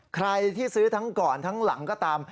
ใครที่ซื้อทั้งก่อนทั้งหลังก็ตาม